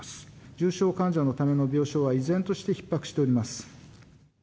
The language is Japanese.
重症患者のための病床は依然としてひっ迫しております。